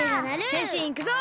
へんしんいくぞ！